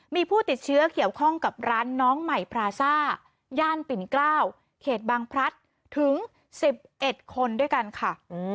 มีผู้ติดเชื้อเกี่ยวข้องกับร้านน้องใหม่พราซ่าย่านปิ่นเกล้าวเขตบางพลัดถึง๑๑คนด้วยกันค่ะ